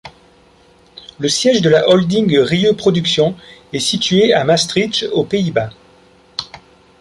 Le siège de la holding Rieu Productions est situé à Maastricht aux Pays-Bas.